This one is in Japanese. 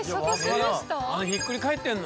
あのひっくり返ってるの？